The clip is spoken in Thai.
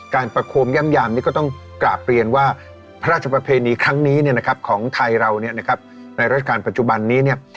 ประโคมย่ำยามนี่ก็ต้องกราบเรียนว่าพระราชประเพณีครั้งนี้ของไทยเราในราชการปัจจุบันนี้เนี่ย